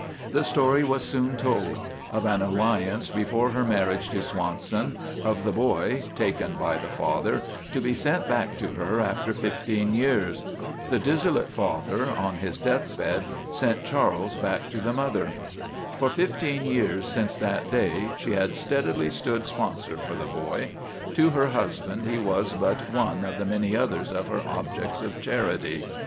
The story was soon told: of an alliance before her marriage to Swanson, of the boy, taken by the father, to be sent back to her after fifteen years. The dissolute father, on his deathbed, sent Charles back to the mother. For fifteen years since that day she had steadily stood sponsor for the boy. To her husband he was but one of the many others of her objects of charity.